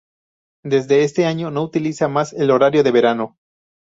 Desde este año no utiliza más el horario de verano.